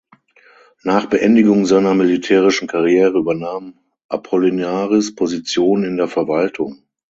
Nach Beendigung seiner militärischen Karriere übernahm Apollinaris Positionen in der Verwaltung.